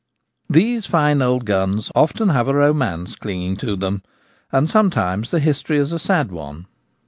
These fine old guns often have a romance cling ing to them, and sometimes the history is a sad one.